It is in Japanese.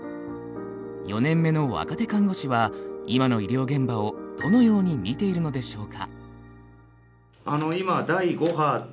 ４年目の若手看護師は今の医療現場をどのように見ているのでしょうか。